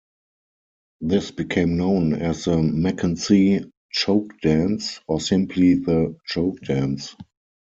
This became known as the "McKenzie Choke Dance," or simply the "choke dance.